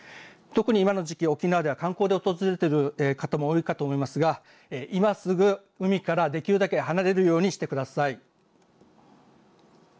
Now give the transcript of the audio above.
特に今の時期、沖縄では観光で訪れている方も多いかと思いますが、今すぐ海からできるだけ離れるようにしてください。